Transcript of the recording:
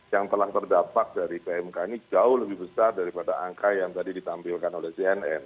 yang telah terdampak dari pmk ini jauh lebih besar daripada angka yang tadi ditampilkan oleh cnn